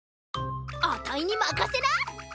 あたいにまかせな！